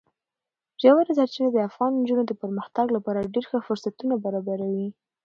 ژورې سرچینې د افغان نجونو د پرمختګ لپاره ډېر ښه فرصتونه برابروي.